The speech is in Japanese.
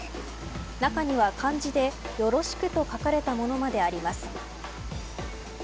中には漢字で夜露死苦と書かれたものまであります。